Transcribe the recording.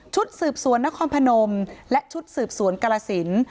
สืบสวนนครพนมและชุดสืบสวนกรสิน